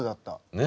ねえ。